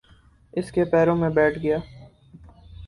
اس کے پیروں میں بیٹھ گیا۔